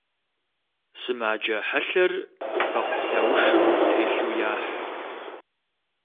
Сымаджэ хьэлъэр бэкъулаушым телъу яхь.